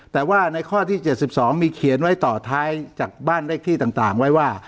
แต่ว่าในข้อที่๗๒มีเขียนไว้ต่อท้ายจากบ้านเลขที่ต่างไว้ว่า